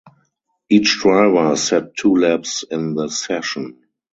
Each driver set two laps in the session.